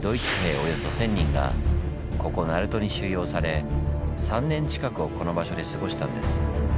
およそ１０００人がここ鳴門に収容され３年近くをこの場所で過ごしたんです。